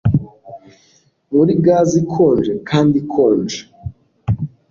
Muri gaze ikonje kandi ikonje